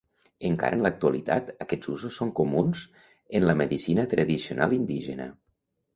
Encara en l'actualitat aquests usos són comuns en la medicina tradicional indígena.